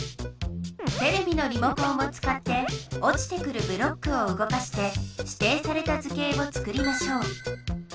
テレビのリモコンをつかっておちてくるブロックをうごかして指定された図形をつくりましょう。